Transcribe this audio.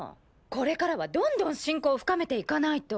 これからはどんどん親交を深めていかないと。